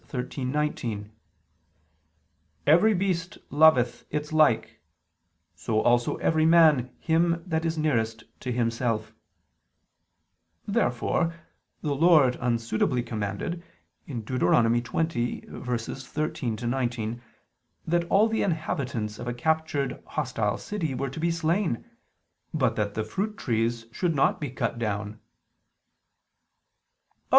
13:19: "Every beast loveth its like: so also every man him that is nearest to himself." Therefore the Lord unsuitably commanded (Deut. 20:13 19) that all the inhabitants of a captured hostile city were to be slain, but that the fruit trees should not be cut down. Obj.